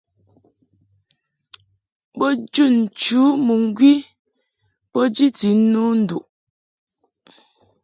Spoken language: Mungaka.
Bo jun nchǔ mɨŋgwi bo jiti no nduʼ.